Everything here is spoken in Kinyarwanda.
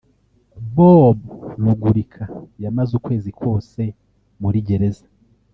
Bob Rugurika yamaze ukwezi kose muri gereza